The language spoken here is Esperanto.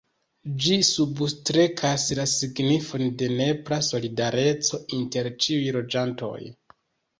Ĝi substrekas la signifon de nepra solidareco inter ĉiuj loĝantoj.